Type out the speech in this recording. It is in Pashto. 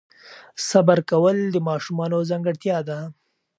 صبر کول د ماشومانو ځانګړتیا ده.